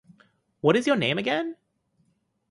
What is your name again?